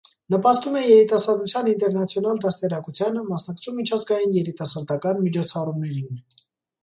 Նպաստում է երիտասարդության ինտերնացիոնալ դաստիարակությանը, մասնակցում միջազգային երիտասարդական միջոցառումներին։